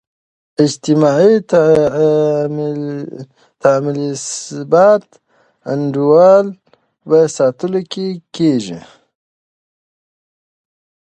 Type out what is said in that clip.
اجتماعي تعاملثبات د انډول په ساتلو کې کیږي.